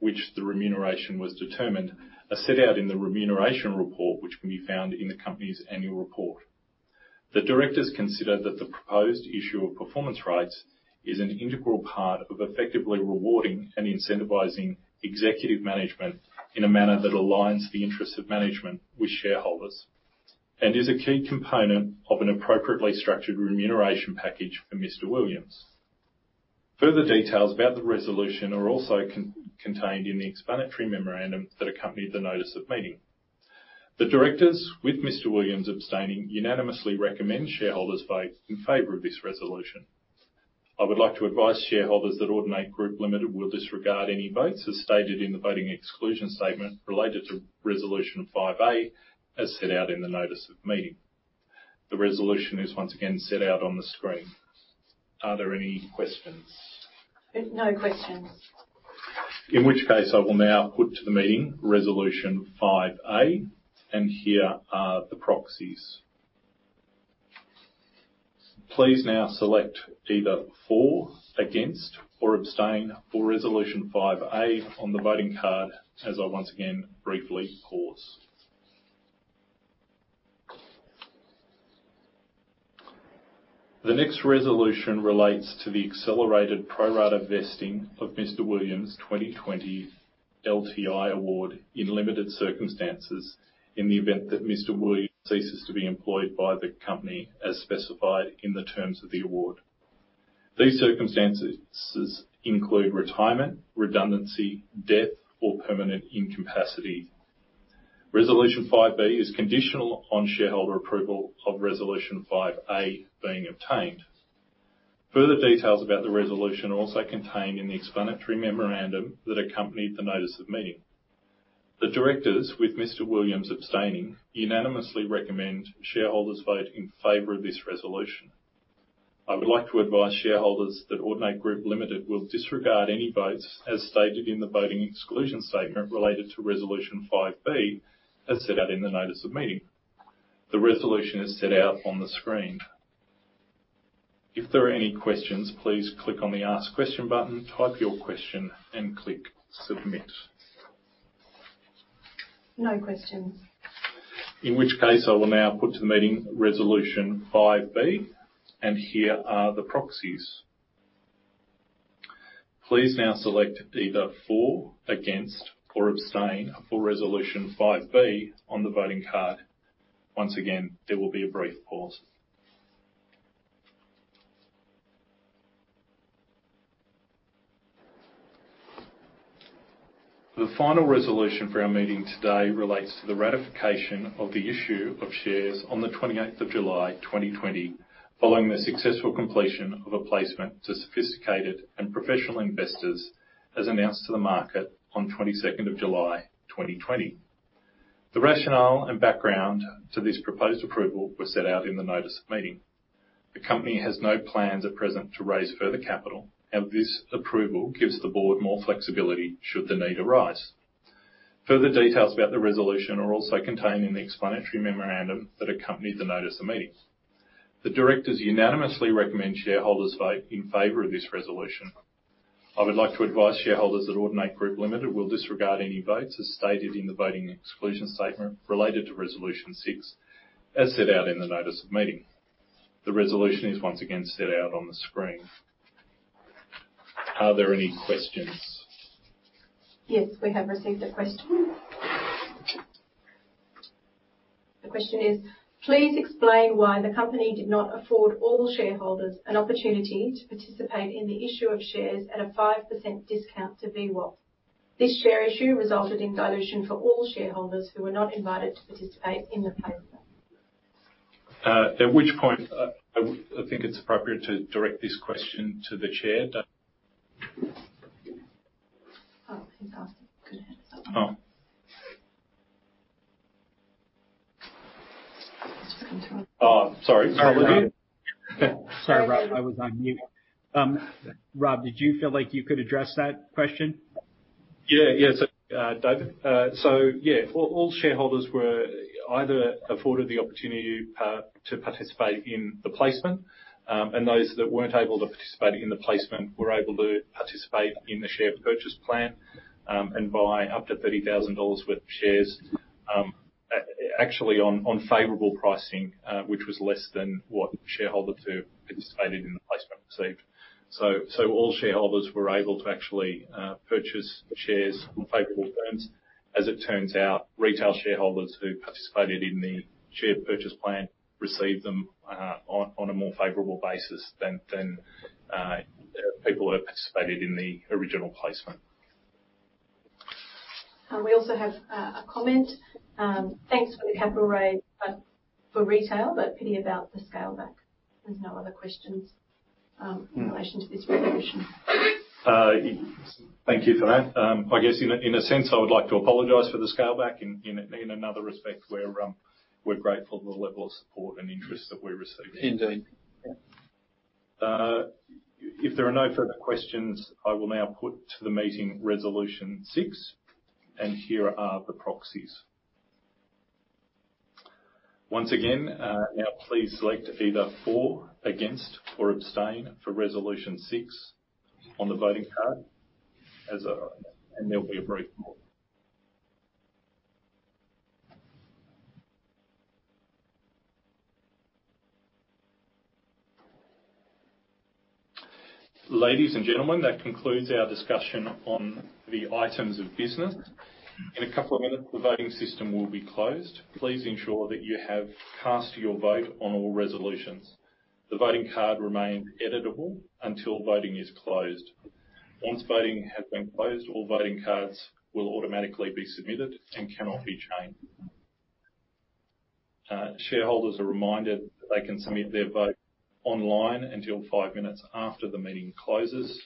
Speaker 3: which the remuneration was determined are set out in the remuneration report, which can be found in the company's annual report. The directors consider that the proposed issue of performance rights is an integral part of effectively rewarding and incentivizing executive management in a manner that aligns the interests of management with shareholders, and is a key component of an appropriately structured remuneration package for Mr. Williams. Further details about the resolution are also contained in the explanatory memorandum that accompanied the notice of meeting. The directors, with Mr. Williams abstaining, unanimously recommend shareholders vote in favor of this resolution. I would like to advise shareholders that Audinate Group Limited will disregard any votes as stated in the voting exclusion statement related to Resolution 5A as set out in the notice of meeting. The resolution is once again set out on the screen. Are there any questions?
Speaker 4: No questions.
Speaker 3: In which case I will now put to the meeting Resolution 5A, and here are the proxies. Please now select either for, against, or abstain for Resolution 5A on the voting card, as I once again briefly pause. The next resolution relates to the accelerated pro rata vesting of Mr. Williams' 2020 LTI award in limited circumstances in the event that Mr. Williams ceases to be employed by the company as specified in the terms of the award. These circumstances include retirement, redundancy, death, or permanent incapacity. Resolution 5B is conditional on shareholder approval of Resolution 5A being obtained. Further details about the resolution are also contained in the explanatory memorandum that accompanied the notice of meeting. The directors, with Mr. Williams abstaining, unanimously recommend shareholders vote in favor of this resolution. I would like to advise shareholders that Audinate Group Limited will disregard any votes as stated in the voting exclusion statement related to Resolution 5B, as set out in the notice of meeting. The resolution is set out on the screen. If there are any questions, please click on the Ask Question button, type your question, and click Submit.
Speaker 4: No questions.
Speaker 3: In which case I will now put to the meeting Resolution 5B. Here are the proxies. Please now select either for, against, or abstain for Resolution 5B on the voting card. Once again, there will be a brief pause. The final resolution for our meeting today relates to the ratification of the issue of shares on the 28th of July 2020, following the successful completion of a placement to sophisticated and professional investors, as announced to the market on 22nd of July 2020. The rationale and background to this proposed approval were set out in the notice of meeting. The company has no plans at present to raise further capital. This approval gives the board more flexibility should the need arise. Further details about the resolution are also contained in the explanatory memorandum that accompanied the notice of meeting. The directors unanimously recommend shareholders vote in favor of this resolution. I would like to advise shareholders that Audinate Group Limited will disregard any votes as stated in the voting exclusion statement related to Resolution 6, as set out in the notice of meeting. The resolution is once again set out on the screen. Are there any questions?
Speaker 4: Yes. We have received a question. The question is: Please explain why the company did not afford all shareholders an opportunity to participate in the issue of shares at a 5% discount to VWAP. This share issue resulted in dilution for all shareholders who were not invited to participate in the placement.
Speaker 3: At which point, I think it's appropriate to direct this question to the chair.
Speaker 4: Oh, he's asking. Go ahead.
Speaker 3: Oh.
Speaker 1: Sorry, Rob. I was on mute. Rob, did you feel like you could address that question?
Speaker 3: Yeah. David, all shareholders were either afforded the opportunity to participate in the placement, and those that weren't able to participate in the placement were able to participate in the share purchase plan, and buy up to 30,000 dollars worth of shares, actually on favorable pricing, which was less than what shareholder who participated in the placement received. All shareholders were able to actually purchase shares on favorable terms. As it turns out, retail shareholders who participated in the share purchase plan received them on a more favorable basis than people who had participated in the original placement.
Speaker 4: We also have a comment. "Thanks for the capital raise for retail, but pity about the scale back." There's no other questions in relation to this resolution.
Speaker 3: Thank you for that. I guess, in a sense, I would like to apologize for the scale back. In another respect, we're grateful for the level of support and interest that we're receiving.
Speaker 2: Indeed. Yeah.
Speaker 3: If there are no further questions, I will now put to the meeting Resolution 6, and here are the proxies. Once again, now please select either for, against, or abstain for Resolution 6 on the voting card as of right now, and there'll be a brief moment. Ladies and gentlemen, that concludes our discussion on the items of business. In a couple of minutes, the voting system will be closed. Please ensure that you have cast your vote on all resolutions. The voting card remains editable until voting is closed. Once voting has been closed, all voting cards will automatically be submitted and cannot be changed. Shareholders are reminded that they can submit their vote online until five minutes after the meeting closes,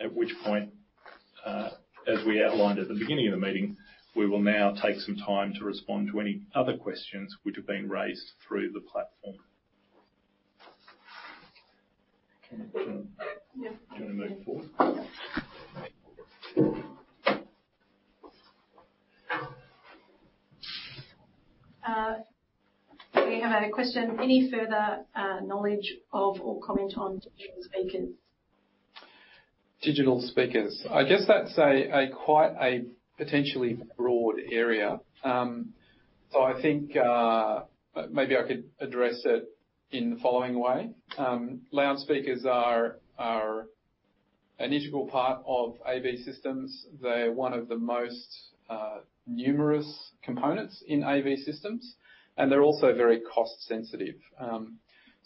Speaker 3: at which point, as we outlined at the beginning of the meeting, we will now take some time to respond to any other questions which have been raised through the platform.
Speaker 2: Can we move on?
Speaker 4: We have had a question. "Any further knowledge of or comment on digital speakers?
Speaker 2: Digital speakers. I guess that's quite a potentially broad area. I think maybe I could address it in the following way. Loudspeakers are an integral part of AV systems. They're one of the most numerous components in AV systems, and they're also very cost sensitive.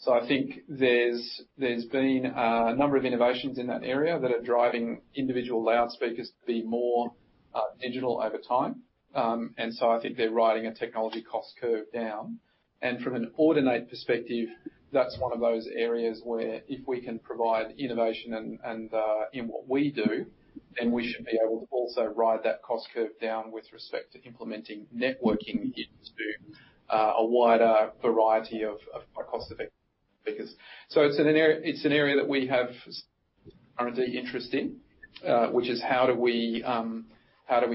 Speaker 2: I think there's been a number of innovations in that area that are driving individual loudspeakers to be more digital over time. I think they're riding a technology cost curve down. From an Audinate perspective, that's one of those areas where if we can provide innovation in what we do, then we should be able to also ride that cost curve down with respect to implementing networking into a wider variety of our cost-effective speakers. It's an area that we have R&D interest in, which is how do we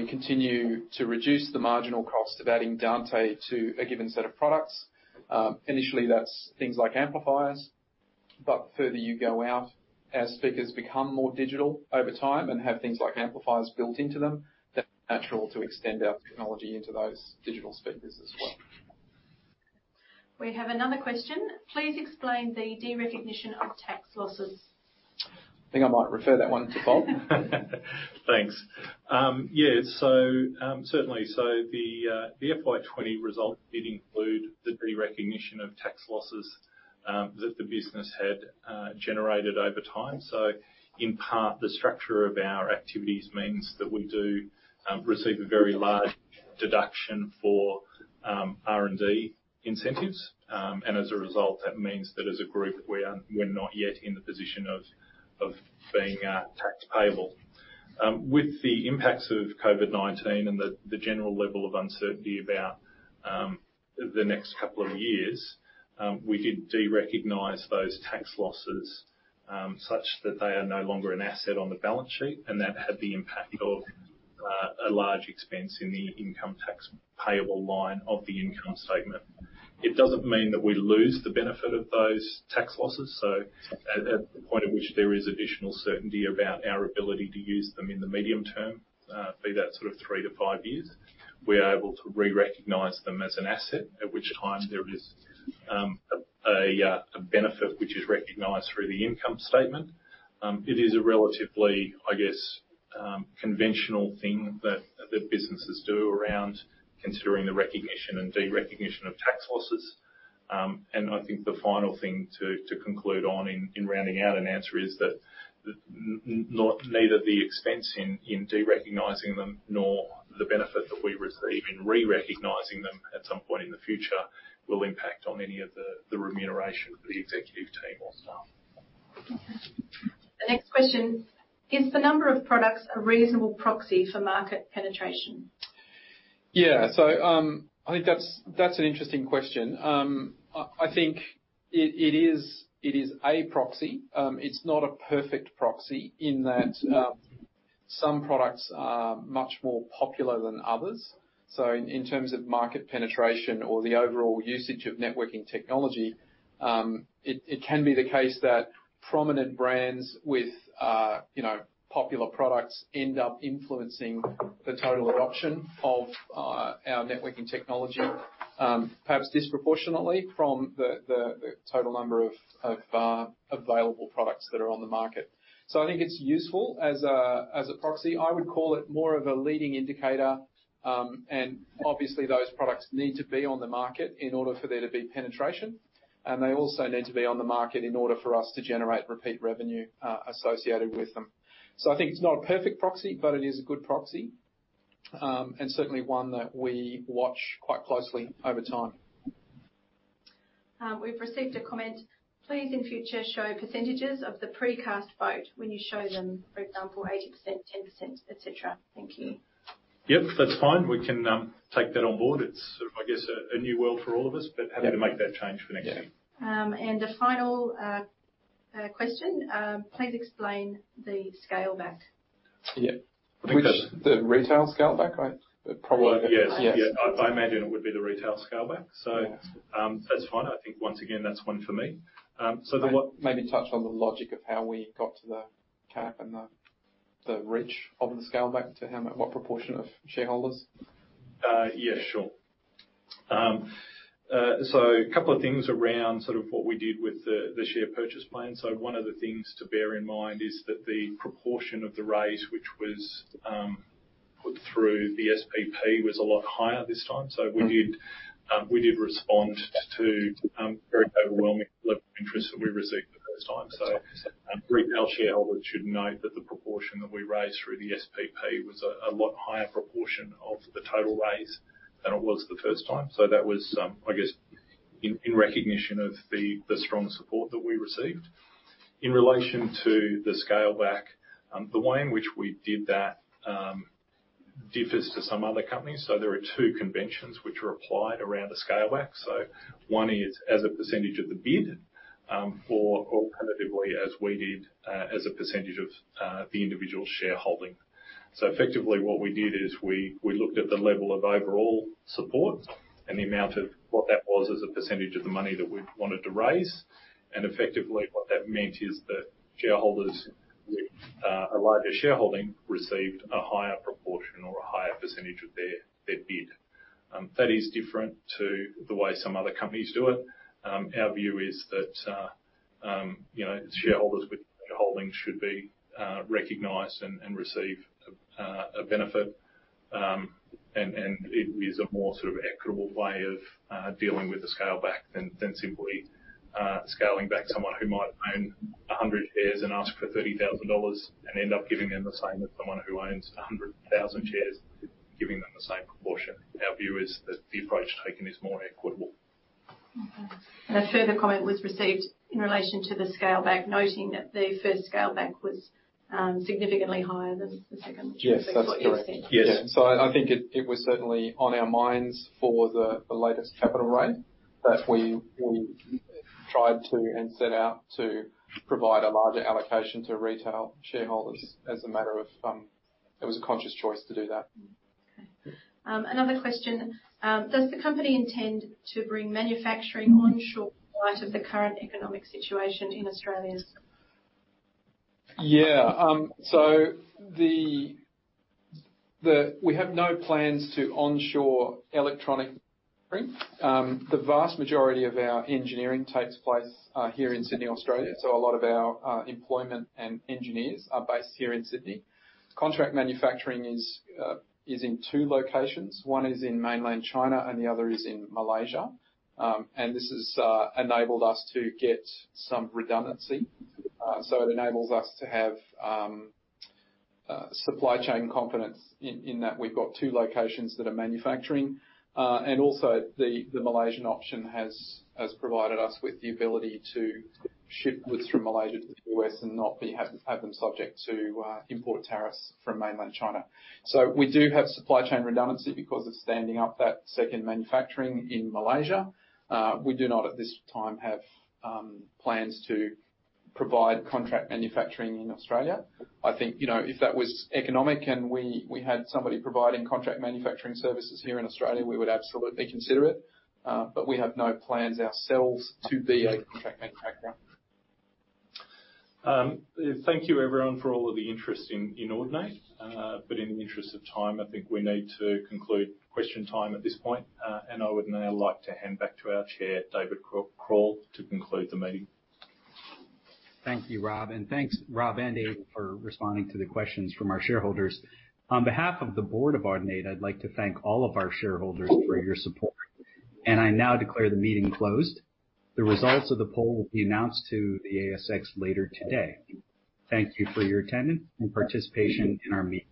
Speaker 2: continue to reduce the marginal cost of adding Dante to a given set of products. Initially, that's things like amplifiers. The further you go out, as speakers become more digital over time and have things like amplifiers built into them, then it's natural to extend our technology into those digital speakers as well.
Speaker 4: We have another question. "Please explain the derecognition of tax losses.
Speaker 2: I think I might refer that one to Rob.
Speaker 3: Thanks. Yeah, certainly. The FY 2020 result did include the derecognition of tax losses that the business had generated over time. In part, the structure of our activities means that we do receive a very large deduction for R&D incentives. As a result, that means that as a group, we're not yet in the position of being at tax payable. With the impacts of COVID-19 and the general level of uncertainty about the next couple of years, we did derecognize those tax losses, such that they are no longer an asset on the balance sheet, and that had the impact of a large expense in the income tax payable line of the income statement. It doesn't mean that we lose the benefit of those tax losses. At the point at which there is additional certainty about our ability to use them in the medium term, be that sort of three to five years, we are able to re-recognize them as an asset, at which time there is a benefit which is recognized through the income statement. It is a relatively, I guess, conventional thing that businesses do around considering the recognition and derecognition of tax losses. I think the final thing to conclude on in rounding out an answer is that neither the expense in derecognizing them nor the benefit that we receive in re-recognizing them at some point in the future will impact on any of the remuneration of the executive team or staff.
Speaker 4: The next question: "Is the number of products a reasonable proxy for market penetration?
Speaker 2: Yeah. I think that's an interesting question. I think it is a proxy. It's not a perfect proxy in that some products are much more popular than others. In terms of market penetration or the overall usage of networking technology, it can be the case that prominent brands with popular products end up influencing the total adoption of our networking technology perhaps disproportionately from the total number of available products that are on the market. I think it's useful as a proxy. I would call it more of a leading indicator. Obviously, those products need to be on the market in order for there to be penetration, and they also need to be on the market in order for us to generate repeat revenue associated with them. I think it's not a perfect proxy, but it is a good proxy, and certainly one that we watch quite closely over time.
Speaker 4: We've received a comment, "Please, in future, show percentages of the pre-cast vote when you show them. For example, 80%, 10%, et cetera. Thank you.
Speaker 1: Yep, that's fine. We can take that on board. It's sort of a new world for all of us, but happy to make that change for next year.
Speaker 3: Yeah.
Speaker 4: A final question, "Please explain the scale back.
Speaker 3: Yeah. I think.
Speaker 1: Which? The retail scale back?
Speaker 3: Yes.
Speaker 4: Yes.
Speaker 3: I imagine it would be the retail scale back. That's fine. I think, once again, that's one for me.
Speaker 1: Maybe touch on the logic of how we got to the cap and the reach of the scale back to what proportion of shareholders.
Speaker 3: Yeah, sure. A couple of things around what we did with the share purchase plan. One of the things to bear in mind is that the proportion of the raise, which was put through the SPP, was a lot higher this time. We did respond to very overwhelming level of interest that we received the first time. Retail shareholders should note that the proportion that we raised through the SPP was a lot higher proportion of the total raise than it was the first time. That was in recognition of the strong support that we received. In relation to the scale back, the way in which we did that differs to some other companies. There are two conventions which are applied around a scale back. One is as a percentage of the bid, or alternatively, as we did, as a percentage of the individual shareholding. Effectively, what we did is we looked at the level of overall support and the amount of what that was as a percentage of the money that we wanted to raise. Effectively, what that meant is that shareholders with a larger shareholding received a higher proportion or a higher percentage of their bid. That is different to the way some other companies do it. Our view is that shareholders with shareholdings should be recognized and receive a benefit. It is a more equitable way of dealing with the scale back than simply scaling back someone who might own 100 shares and ask for 30,000 dollars and end up giving them the same as someone who owns 100,000 shares, giving them the same proportion. Our view is that the approach taken is more equitable.
Speaker 4: Okay. A further comment was received in relation to the scale back, noting that the first scale back was significantly higher than the second.
Speaker 3: Yes, that's correct.
Speaker 2: What you're saying.
Speaker 3: Yes. I think it was certainly on our minds for the latest capital raise that we tried to and set out to provide a larger allocation to retail shareholders. It was a conscious choice to do that.
Speaker 4: Okay. Another question, "Does the company intend to bring manufacturing onshore in light of the current economic situation in Australia?
Speaker 3: Yeah. We have no plans to onshore electronic. The vast majority of our engineering takes place here in Sydney, Australia. A lot of our employment and engineers are based here in Sydney. Contract manufacturing is in two locations. One is in mainland China and the other is in Malaysia. This has enabled us to get some redundancy. It enables us to have supply chain confidence in that we've got two locations that are manufacturing. Also, the Malaysian option has provided us with the ability to ship goods from Malaysia to the U.S. and not have them subject to import tariffs from mainland China. We do have supply chain redundancy because of standing up that second manufacturing in Malaysia. We do not, at this time, have plans to provide contract manufacturing in Australia. I think, if that was economic and we had somebody providing contract manufacturing services here in Australia, we would absolutely consider it. We have no plans ourselves to be a contract manufacturer. Thank you, everyone, for all of the interest in Audinate. In the interest of time, I think we need to conclude question time at this point. I would now like to hand back to our chair, David Krall, to conclude the meeting.
Speaker 1: Thank you, Rob. Thanks, Rob and Aidan, for responding to the questions from our shareholders. On behalf of the board of Audinate, I'd like to thank all of our shareholders for your support. I now declare the meeting closed. The results of the poll will be announced to the ASX later today. Thank you for your attendance and participation in our meeting today.